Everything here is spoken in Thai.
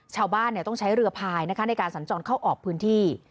ชาวบ้านต้องใช้เรือพายในการสัญจรเข้าออกพื้นที่